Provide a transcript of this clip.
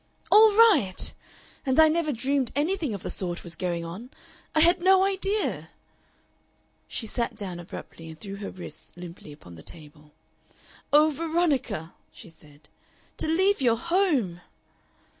"All right! And I never dreamed anything of the sort was going on. I had no idea!" She sat down abruptly and threw her wrists limply upon the table. "Oh, Veronica!" she said, "to leave your home!"